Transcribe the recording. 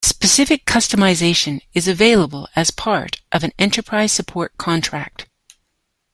Specific customization is available as part of an enterprise support contract.